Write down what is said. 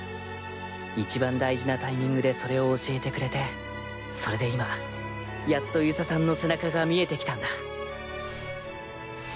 一番大事なタイミングでそれを教えてくれてそれで今やっと遊佐さんの背中が見えてきたんだ。